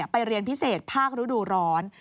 ไปเรียนพิเศษภาคฤดูร้อน